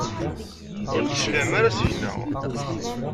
Ur d-tecliɛem ara seg-neɣ.